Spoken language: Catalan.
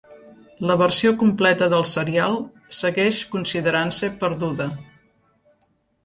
La versió completa del serial segueix considerant-se perduda.